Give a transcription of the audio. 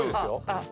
あっ！